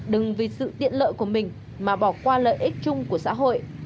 đừng vì sự tiện lợi của mình mà bỏ qua lợi ích chung của xã hội